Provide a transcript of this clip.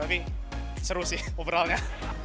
tapi seru sih overallnya